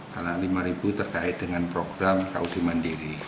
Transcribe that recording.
karena lima terkait dengan program kaudi mandiri